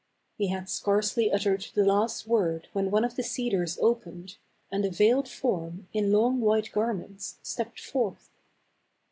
He had scarcely uttered the last word when one of the cedars opened, and a veiled form, in long white garments, stepped forth.